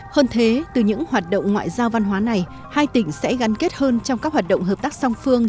hơn thế từ những hoạt động ngoại giao văn hóa này hai tỉnh sẽ gắn kết hơn trong các hoạt động hợp tác song phương